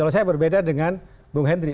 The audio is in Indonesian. kalau saya berbeda dengan bung hendry